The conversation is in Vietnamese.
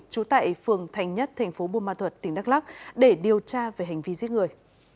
trú tại phường thành nhất thành phố buôn ma thuật tỉnh đắk lắc để điều tra về hành vi giết người